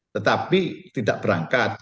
tetapi tidak berangkat